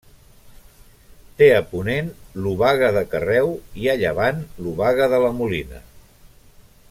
Té a ponent l'Obaga de Carreu i a llevant l'Obaga de la Molina.